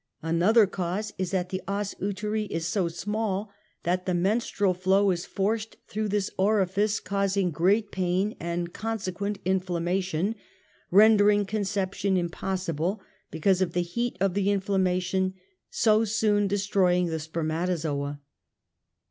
Another cause is that the osuteri is so small that the menstrual fluid is forced throuo^h this orifice causing great pain and consequent inflamma tion, rendering conception impossible, because of the heat of the inflammation so soon destroying the sper .matozoa.